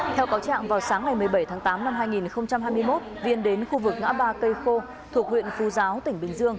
theo cáo trạng vào sáng ngày một mươi bảy tháng tám năm hai nghìn hai mươi một viên đến khu vực ngã ba cây khô thuộc huyện phu giáo tỉnh bình dương